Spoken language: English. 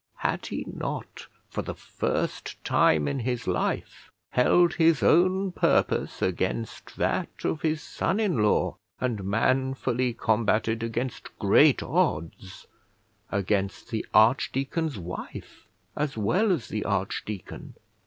Had he not for the first time in his life held his own purpose against that of his son in law, and manfully combated against great odds, against the archdeacon's wife as well as the archdeacon?